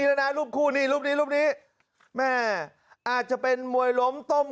แล้วนะรูปคู่นี่รูปนี้รูปนี้แม่อาจจะเป็นมวยล้มต้ม